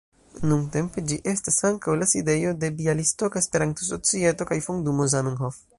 Nuntempe ĝi estas ankaŭ la sidejo de Bjalistoka Esperanto-Societo kaj Fondumo Zamenhof.